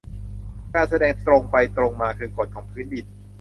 การแสดงตรงไปตรงมาคือกฎของพื้นดิน